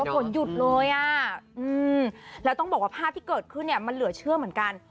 ผลหยุดเลยอ่ะแล้วต้องบอกว่าภาพที่เกิดขึ้นเนี่ยมันเหลือเชื่อเหมือนกัน